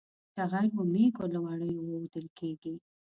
ټغر و مېږو له وړیو وُودل کېږي.